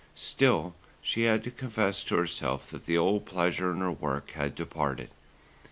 Still she had to confess to herself that the old pleasure in her work had departed.